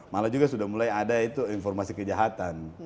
malah juga sudah mulai ada itu informasi kejahatan